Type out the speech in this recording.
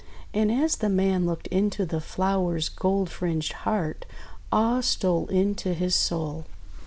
And as the man looked into the flower's gold fringed heart, awe stole into his soul.